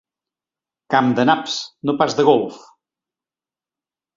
Camp de naps, no pas de golf.